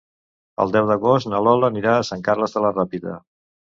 El deu d'agost na Lola anirà a Sant Carles de la Ràpita.